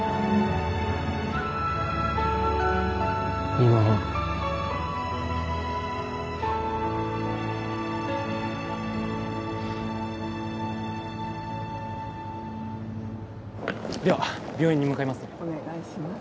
今はでは病院に向かいますお願いします